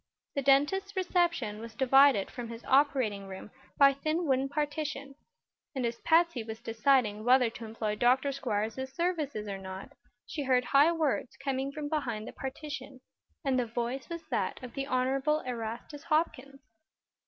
The dentist's reception room was divided from his operating room by a thin wooden partition, and as Patsy was deciding whether to employ Dr. Squiers's services or not she heard high words coming from behind the partition, and the voice was that of the Honorable Erastus Hopkins.